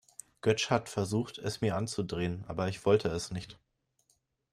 Götsch hat versucht, es mir anzudrehen, aber ich wollte es nicht.